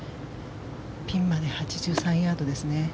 ピンまで８３ヤードですね。